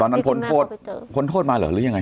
ตอนนั้นผลโทษมาหรือยังไง